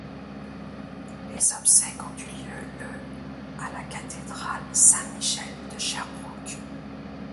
Les obsèques ont eu lieu le à la cathédrale Saint-Michel de Sherbrooke.